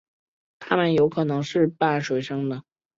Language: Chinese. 它们有可能是半水生的。